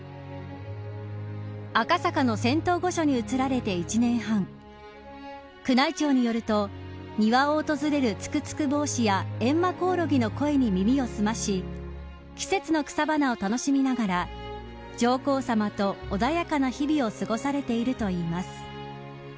赤坂の仙洞御所に移られて１年半宮内庁によると庭を訪れるツクツクボウシやエンマコオロギの声に耳を澄まし季節の草花を楽しみながら上皇さまと穏やかな日々を過ごされているといいます。